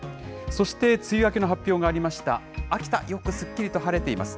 そして、梅雨明けの発表がありました秋田、よくすっきりと晴れています。